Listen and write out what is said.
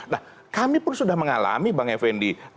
nah kami pun sudah mengalami bang effendi